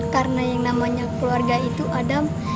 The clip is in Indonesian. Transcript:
karena yang namanya keluarga itu adam